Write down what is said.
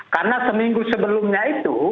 karena seminggu sebelumnya itu